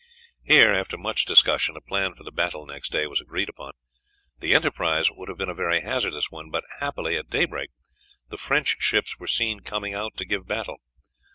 Here after much discussion a plan for the battle next day was agreed upon. The enterprise would have been a very hazardous one, but, happily, at daybreak the French ships were seen coming out to give battle.